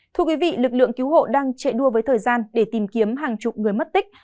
thưa quý vị lực lượng cứu hộ đang chạy đua với thời gian để tìm kiếm hàng chục người mất tích